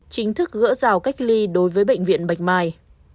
chính thức gỡ rào cách ly đối với bệnh viện bạch mai